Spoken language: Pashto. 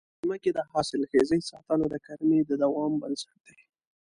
د ځمکې د حاصلخېزۍ ساتنه د کرنې د دوام بنسټ دی.